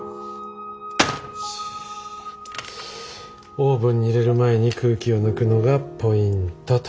オーブンに入れる前に空気を抜くのがポイントと。